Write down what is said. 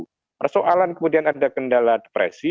jadi persoalan kemudian ada kendala depresi